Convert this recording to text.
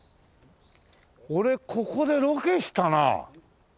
俺ここでロケしたな。